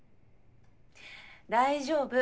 大丈夫。